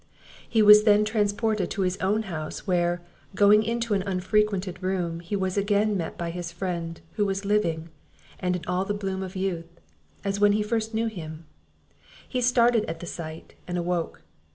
He was then transported to his own house, where, going into an unfrequented room, he was again met by his friend, who was living, and in all the bloom of youth, as when he first knew him: He started at the sight, and awoke.